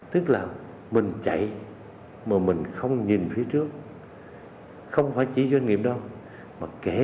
tức là mình chạy mà mình không nhìn phía trước không phải chỉ doanh nghiệp đâu không phải chỉ doanh nghiệp đâu